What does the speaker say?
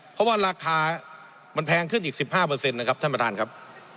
เพราะว่าราคามันแพงขึ้นอีก๑๕นะครับท่านประธานครับ